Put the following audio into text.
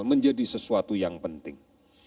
menjadi sesuatu yang penting